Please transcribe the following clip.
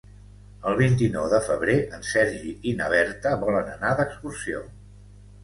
El vint-i-nou de febrer en Sergi i na Berta volen anar d'excursió.